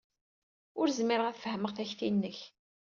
Ur zmireɣ ad fehmeɣ takti-nnes.